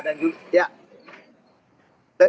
dan juga bantuan bantuan